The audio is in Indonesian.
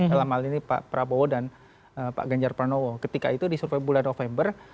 dalam hal ini pak prabowo dan pak ganjar pranowo ketika itu di survei bulan november